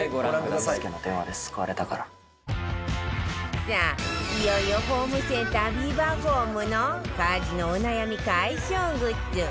さあいよいよホームセンタービバホームの家事のお悩み解消グッズ